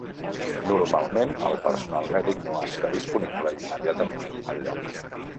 Normalment, el personal mèdic no està disponible immediatament al lloc.